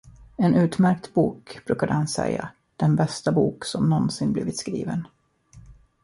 En utmärkt bok, brukade han säga, den bästa bok som någonsin blivit skriven!